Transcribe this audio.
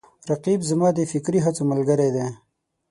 رقیب زما د فکري هڅو ملګری دی